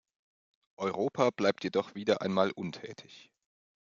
Europa bleibt jedoch wieder einmal untätig.